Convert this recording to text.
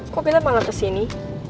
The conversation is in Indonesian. kok kita malah kesini